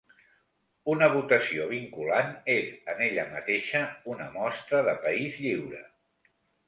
Una votació vinculant és en ella mateixa una mostra de país lliure.